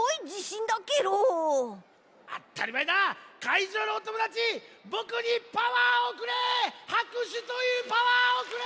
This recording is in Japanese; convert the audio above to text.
いじょうのおともだちぼくにパワーをくれ！はくしゅというパワーをくれ！